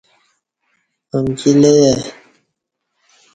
امکی لئی آئی